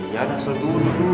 eh yaudah langsung duduk dulu